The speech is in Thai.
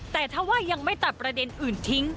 แต่ถ้าว่ายังไม่ตัดประเด็นอื่นทิ้ง